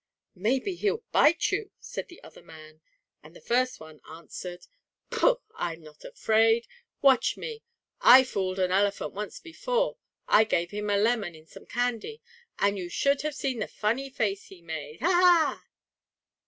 "Maybe he'll bite you," said the other man, and the first one answered: "Pooh! I'm not afraid. Watch me! I fooled an elephant once before. I gave him a lemon in some candy, and you should see the funny face he made. Ha! ha!"